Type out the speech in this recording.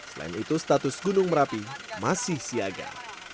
selain itu status gunung merapi masih siaga